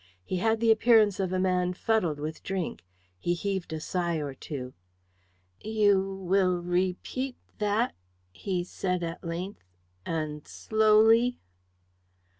He had the appearance of a man fuddled with drink. He heaved a sigh or two. "Will you repeat that," he said at length, "and slowly?"